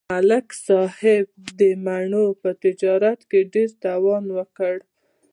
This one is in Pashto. ملک صاحب د مڼو په تجارت کې ډېر تاوان وکړ